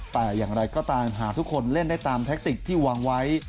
แต่อย่างไรก็ตามหากทุกคนเล่นได้ตามแท็กติกที่วางไว้